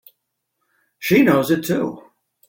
She knows it too!